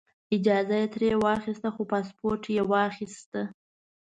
اجازه یې ترې واخیسته خو پاسپورټ یې واخیست.